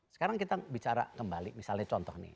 sekarang kita bicara kembali misalnya contoh nih